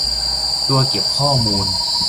ตัวเก็บข้อมูล